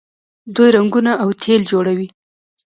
دوی رنګونه او تیل جوړوي.